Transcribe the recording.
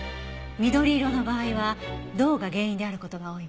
緑色の場合は銅が原因である事が多いわ。